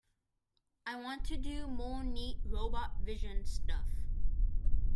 I want to do more neat robot vision stuff.